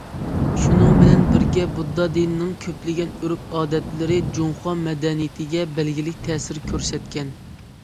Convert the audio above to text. شۇنىڭ بىلەن بىرگە بۇددا دىنىنىڭ كۆپلىگەن ئۆرپ- ئادەتلىرى جۇڭخۇا مەدەنىيىتىگە بەلگىلىك تەسىر كۆرسەتكەن.